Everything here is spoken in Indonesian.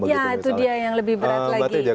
ya itu dia yang lebih berat lagi